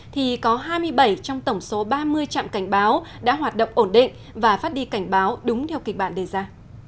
thì có hai mươi bảy trong tổng số ba mươi trạm cảnh báo đã hoạt động ổn định và phát đi cảnh báo đúng theo kịch bản đề ra